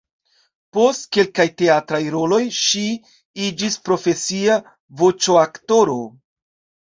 Post kelkaj teatraj roloj ŝi iĝis profesia voĉoaktoro.